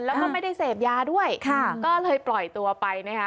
แล้วก็ไม่ได้เสพยาด้วยค่ะก็เลยปล่อยตัวไปนะคะ